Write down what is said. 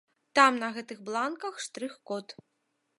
Там на гэтых бланках штрых-код.